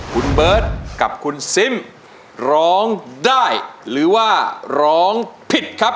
คุณเบิร์ตกับคุณซิมร้องได้หรือว่าร้องผิดครับ